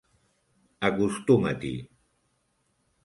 Acostuma't-hi!